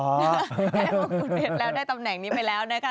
ได้ว่าคุณเห็นแล้วได้ตำแหน่งนี้ไปแล้วนะคะ